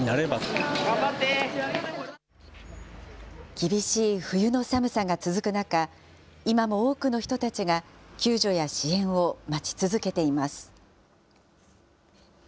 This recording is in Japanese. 厳しい冬の寒さが続く中、今も多くの人たちが救助や支援を待ち続けています。